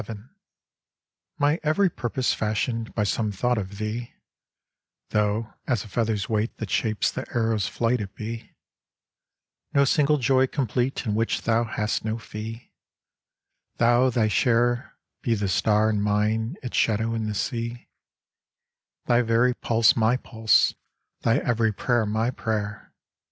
XI My every purpose fashioned by some thought of thee, Though as a feather's weight that shapes the arrow's flight it be; No single joy complete in which thou hast no fee, Though thy share be the star and mine its shadow in the sea; Thy very pulse my pulse, thy every prayer my prayer.